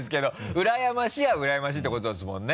うらやましいはうらやましいってことですもんね？